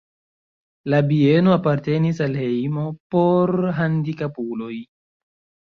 La bieno apartenis al hejmo por handikapuloj.